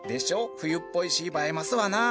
冬っぽいし映えますわなぁ。